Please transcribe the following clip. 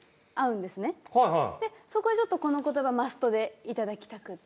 そこでちょっとこの言葉マストで頂きたくって。